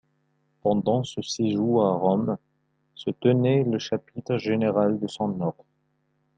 Pendant ce séjour à Rome se tenait le Chapitre général de son ordre.